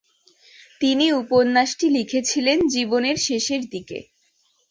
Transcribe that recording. তিনি উপন্যাসটি লিখেছিলেন জীবনের শেষের দিকে।